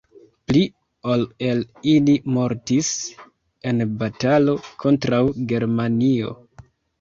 Pli ol el ili mortis en batalo kontraŭ Germanio.